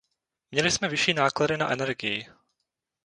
Měli jsme vyšší náklady na energii.